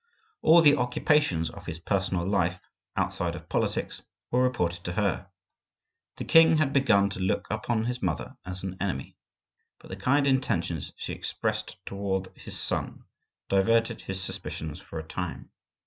All the occupations of his personal life, outside of politics, were reported to her. The king had begun to look upon his mother as an enemy, but the kind intentions she expressed toward his son diverted his suspicions for a time.